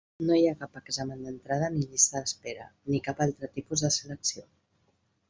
No hi ha cap examen d'entrada ni llista d'espera, ni cap altre tipus de selecció.